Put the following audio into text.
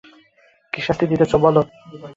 কী শাস্তি দিতে চাও দাও।